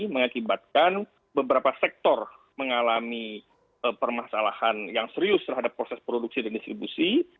mengakibatkan beberapa sektor mengalami permasalahan yang serius terhadap proses produksi dan distribusi